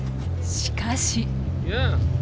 しかし。